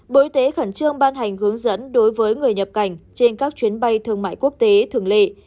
bộ y tế khẩn trương ban hành hướng dẫn đối với người nhập cảnh trên các chuyến bay thương mại quốc tế thường lệ